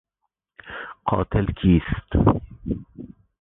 قاتل کیست؟